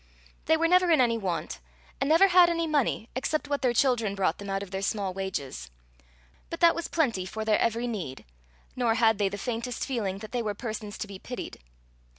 They were never in any want, and never had any money, except what their children brought them out of their small wages. But that was plenty for their every need, nor had they the faintest feeling that they were persons to be pitied.